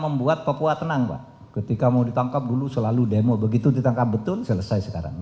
membuat papua tenang pak ketika mau ditangkap dulu selalu demo begitu ditangkap betul selesai sekarang